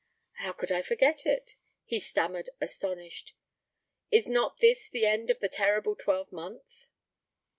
'How could I forget it?' he stammered, astonished. 'Is not this the end of the terrible twelve month?'